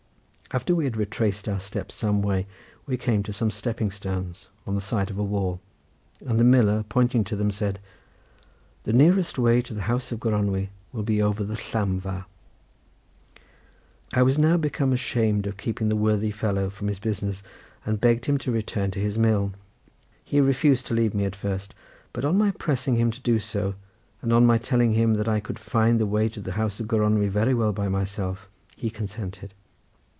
After we had retraced our steps some way, we came to some stepping stones on the side of a wall, and the miller pointing to them said: "The nearest way to the house of Gronwy will be over the llamfa." I was now become ashamed of keeping the worthy fellow from his business and begged him to return to his mill. He refused to leave me, at first, but on my pressing him to do so, and on my telling him that I could find the way to the house of Gronwy very well by myself, he consented.